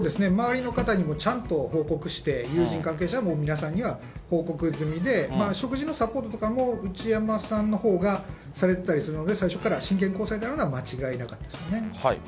友人、関係者皆さんには報告済みで、食事のサポートとかも、内山さんのほうがされてたりするので、最初から真剣交際であるのは間違いなかったですね。